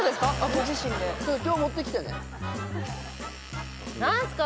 ご自身で今日持ってきてね何すか？